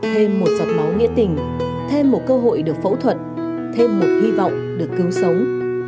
thêm một giọt máu nghĩa tình thêm một cơ hội được phẫu thuật thêm một hy vọng được cứu sống